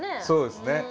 そうですね。